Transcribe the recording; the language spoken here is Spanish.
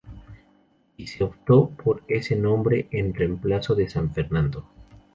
Y se optó por ese nombre en reemplazo de San Fernando.